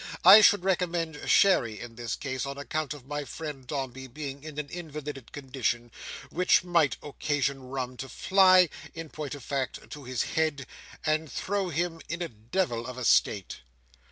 I should recommend sherry in this case, on account of my friend Dombey being in an invalided condition; which might occasion rum to fly—in point of fact to his head—and throw him into a devil of a state."